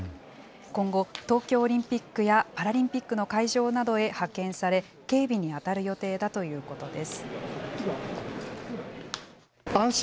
今後、東京オリンピックやパラリンピックの会場などへ派遣され、警備に当たる予定だということです。